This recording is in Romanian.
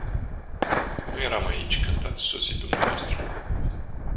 Nu eram aici când ați sosit dvs.